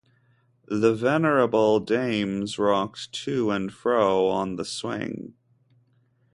The venerable dames rocked to and fro on the swing.